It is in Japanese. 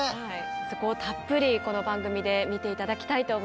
そこをたっぷりこの番組で見て頂きたいと思います。